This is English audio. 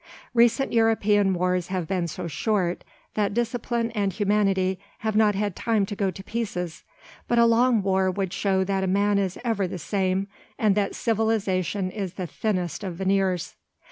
Recent European wars have been so short that discipline and humanity have not had time to go to pieces, but a long war would show that man is ever the same, and that civilization is the thinnest of veneers.